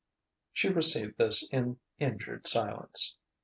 She received this in injured silence.